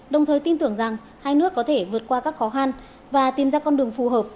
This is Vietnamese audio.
đồng thời tin tưởng rằng hai nước có thể vượt qua các khó khăn và tìm ra con đường phù hợp